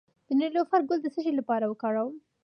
د نیلوفر ګل د څه لپاره وکاروم؟